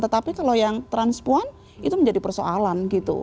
tetapi kalau yang trans puan itu menjadi persoalan gitu